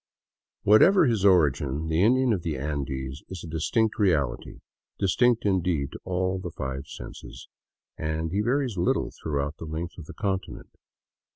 Whatever his origin, the Indian of the Andes is a distinct reality, distinct, indeed, to all the five senses, and he varies little throughout the length of the continent.